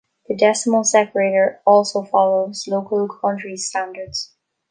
The decimal separator also follows local countries' standards.